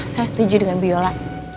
saya setuju dengan biola